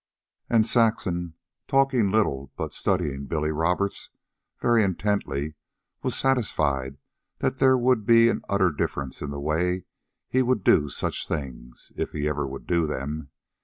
And Saxon, talking little but studying Billy Roberts very intently, was satisfied that there would be an utter difference in the way he would do such things... if ever he would do them.